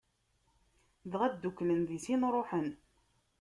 Dɣa dduklen di sin, ṛuḥen.